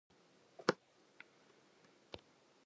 They reside in Newton.